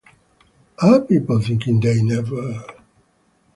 Are people thinking they never...?